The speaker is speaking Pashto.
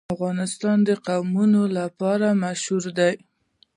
افغانستان د قومونه لپاره مشهور دی.